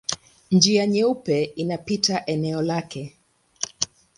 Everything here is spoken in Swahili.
Njia Nyeupe inapita eneo lake.